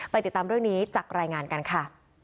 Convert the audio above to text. ติดตามเรื่องนี้จากรายงานกันค่ะ